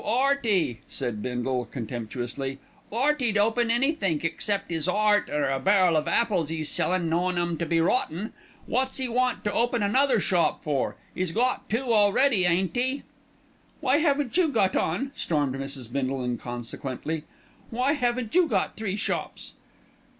'Earty," said Bindle contemptuously. "'Earty'd open anythink except 'is 'eart, or a barrel of apples 'e's sellin', knowin' them to be rotten. Wot's 'e want to open another shop for? 'E's got two already, ain't 'e?" "Why haven't you got on?" stormed Mrs. Bindle inconsequently. "Why haven't you got three shops?"